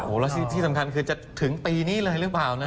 แล้วที่สำคัญคือจะถึงปีนี้เลยหรือเปล่านะ